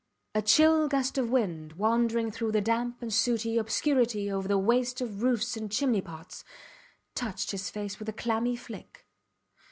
A chill gust of wind, wandering through the damp and sooty obscurity over the waste of roofs and chimney pots, touched his face with a clammy flick.